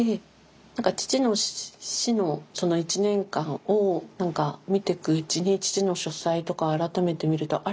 何か父の死のその１年間を見てくうちに父の書斎とか改めて見るとあれあれ？と思って。